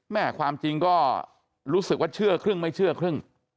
ความจริงก็รู้สึกว่าเชื่อครึ่งไม่เชื่อครึ่ง